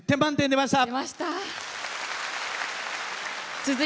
出ました。